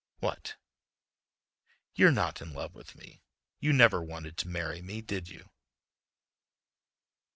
"What?" "You're not in love with me. You never wanted to marry me, did you?"